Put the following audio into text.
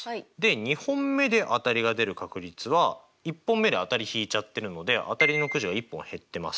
２本目で当たりが出る確率は１本目で当たり引いちゃってるので当たりのくじは１本減ってます。